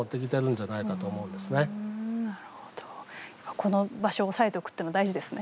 この場所を押さえておくというのは大事ですね。